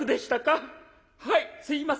はいすいませんでした。